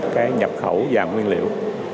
các nhập khẩu vàng nguyên liệu